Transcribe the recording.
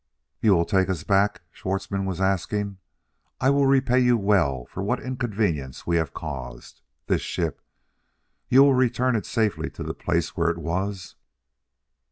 "You will take us back?" Schwartzmann was asking. "I will repay you well for what inconvenience we have caused. The ship, you will return it safely to the place where it was?"